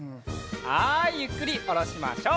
はいゆっくりおろしましょう。